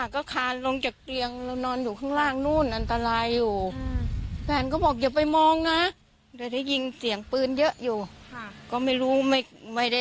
ก็ดีด้วยเนาะสำหรับเราแต่เราไม่รู้เหรอ